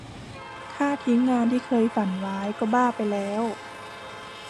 ถ้าทิ้งงานที่เคยฝันไว้ก็บ้าไปแล้ว